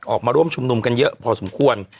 ออกมาร่วมชุมนุมกันเยอะพอสมควร